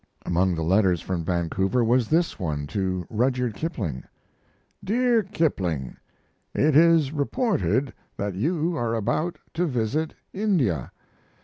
Among the letters from Vancouver was this one to Rudyard Kipling DEAR KIPLING, It is reported that you are about to visit India.